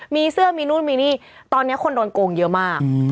มีเสื้อมีนู่นมีนี่ตอนนี้คนโดนโกงเยอะมาก